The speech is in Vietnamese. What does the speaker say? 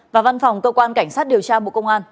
và văn phòng cơ quan cảnh sát điều tra bộ công an